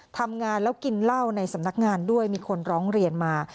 ทำงานแล้วกินเหล้าในสำนักงานด้วยมีคนร้องเรียนมา